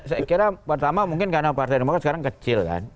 saya kira pertama mungkin karena partai demokrat sekarang kecil kan